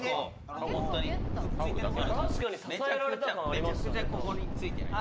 めちゃくちゃここについてないと。